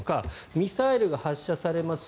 ミサイルが発射されます。